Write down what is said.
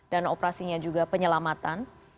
dan operasinya juga penyelamatan